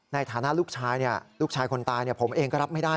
ในฐานะลูกชายเนี่ยลูกชายคนตายเนี่ยผมเองก็รับไม่ได้